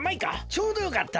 ちょうどよかった。